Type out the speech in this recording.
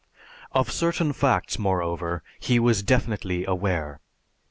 Of certain facts, moreover, he was definitely aware.